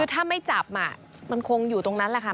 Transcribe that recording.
ถ้าไม่จับมันคงอยู่ตรงนั้นแหละค่ะ